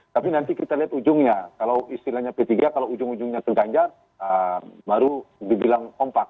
tapi nanti kita lihat ujungnya kalau istilahnya p tiga kalau ujung ujungnya ke ganjar baru dibilang kompak